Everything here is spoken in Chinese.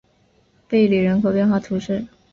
贝里人口变化图示